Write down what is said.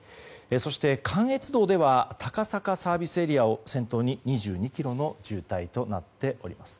そして関越道では高坂ＳＡを先頭に２２ｋｍの渋滞となっております。